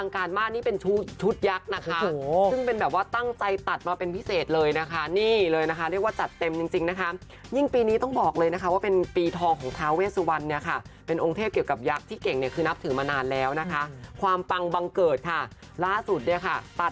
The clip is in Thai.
ค่ะมากันแบบว่าชุดทองอร่ามเลยคุณผู้ชมนะคะ